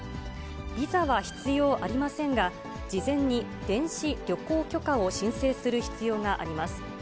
ビザは必要ありませんが、事前に電子旅行許可を申請する必要があります。